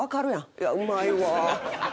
いやうまいわ。